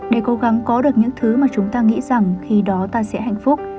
để cố gắng có được những thứ mà chúng ta nghĩ rằng khi đó ta sẽ hạnh phúc